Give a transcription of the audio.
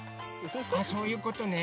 あそういうことね。